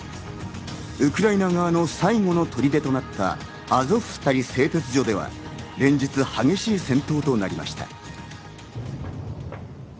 ウクライナ側の最後の砦となったアゾフスタリ製鉄所では連日激しい戦闘となりました。